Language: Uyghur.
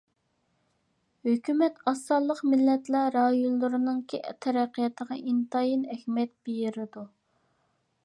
ھۆكۈمەت ئاز سانلىق مىللەتلەر رايونلىرىنىڭ تەرەققىياتىغا ئىنتايىن ئەھمىيەت بېرىدۇ.